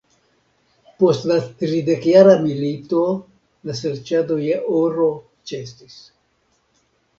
Post la Tridekjara milito la serĉado je oro ĉesis.